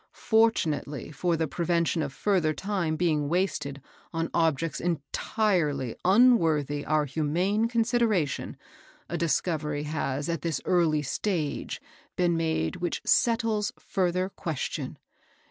Fortunately for the prevention of further time being wasted on objects entirely unworthy our humane consideration, a discovery has at this early stage been made which settles further question.